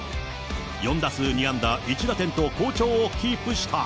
４打数２安打１打点と好調をキープした。